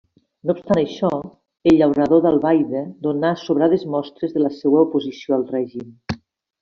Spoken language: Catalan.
No obstant això, el llaurador d'Albaida donà sobrades mostres de la seua oposició al règim.